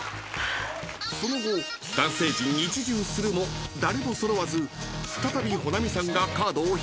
［その後男性陣１巡するも誰も揃わず再び保奈美さんがカードを引く番に］